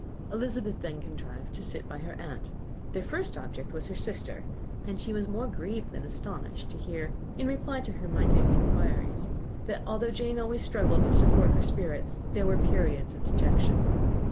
Elizabeth then contrived to sit by her aunt. Their first subject was her sister; and she was more grieved than astonished to hear, in reply to her minute inquiries, that though Jane always struggled to support her spirits, there were periods of dejection.